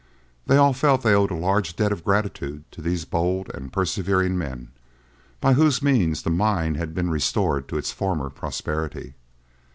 They all felt they owed a large debt of gratitude to these bold and persevering men, by whose means the mine had been restored to its former prosperity.